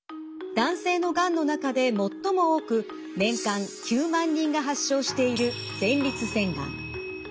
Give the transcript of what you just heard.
男性のがんの中で最も多く年間９万人が発症している前立腺がん。